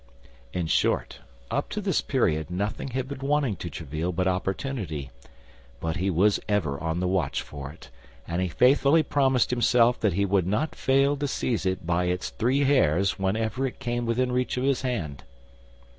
In short, up to this period nothing had been wanting to Tréville but opportunity; but he was ever on the watch for it, and he faithfully promised himself that he would not fail to seize it by its three hairs whenever it came within reach of his hand.